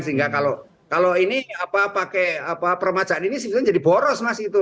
sehingga kalau ini pakai permajaan ini sebetulnya jadi boros mas itu